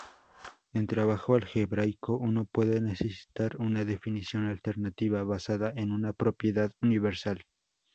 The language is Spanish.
En trabajo algebraico uno puede necesitar una definición alternativa, basada en una propiedad universal.